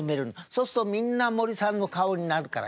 そうするとみんな森さんの顔になるから。